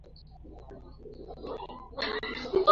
Wanasema wakati mwingine hutokea moshi mzito